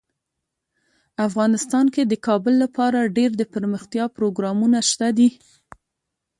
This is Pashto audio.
افغانستان کې د کابل لپاره ډیر دپرمختیا پروګرامونه شته دي.